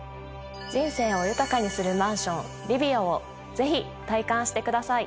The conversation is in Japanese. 人生を豊かにするマンションリビオをぜひ体感してください。